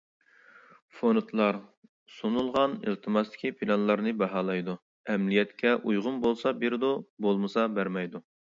فوندلار سۇنۇلغان ئىلتىماستىكى پىلانلارنى باھالايدۇ، ئەمەلىيەتكە ئۇيغۇن بولسا بېرىدۇ، بولمىسا بەرمەيدۇ.